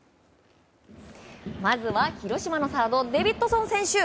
まずは広島のサードデビッドソン選手。